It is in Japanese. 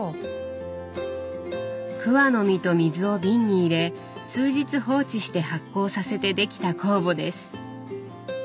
桑の実と水を瓶に入れ数日放置して発酵させてできた酵母です。